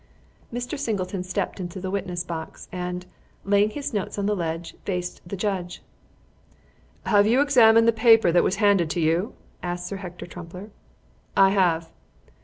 Mr. Singleton stepped into the witness box, and, laying his notes on the ledge, faced the judge. "Have you examined the paper that was handed to you?" asked Sir Hector Trumpler. "I have."